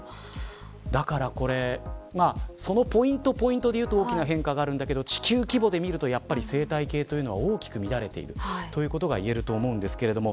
だから、これはそのポイントポイントでいうと大きな変化があるんだけど地球規模で見ると生態系は大きく乱れているということが言えると思うんですけれども。